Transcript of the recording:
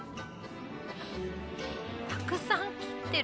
たくさんきってる。